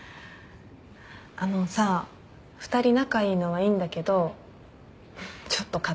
あのさあ２人仲良いのはいいんだけどちょっと勝手だよ。